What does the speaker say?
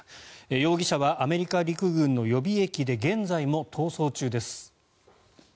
容疑者はアメリカ陸軍の予備役で現在も逃走中です。